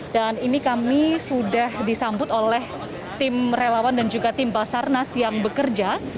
dan ini kami sudah disambut oleh tim relawan dan juga tim basarnas yang bekerja